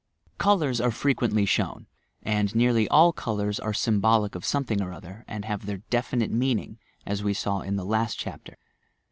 Colours are frequently shown and nearly all eolourg are symbolic of something or other, and have their defi nite meaning, as we saw in the last chapter.